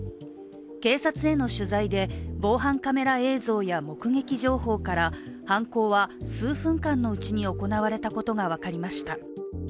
警察への取材で防犯カメラ映像や目撃情報から犯行は数分間のうちに行われたことが分かりました。